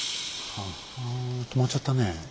はぁ止まっちゃったねえ。